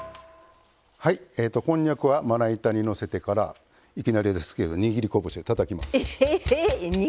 こんにゃくはまな板にのせてからいきなりですけど握り拳でたたきます。